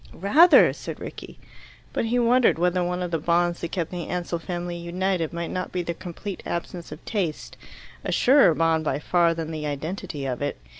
"Rather!" said Rickie. But he wondered whether one of the bonds that kept the Ansell family united might not be their complete absence of taste a surer bond by far than the identity of it.